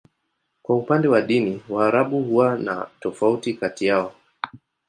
Kwa upande wa dini, Waarabu huwa na tofauti kati yao.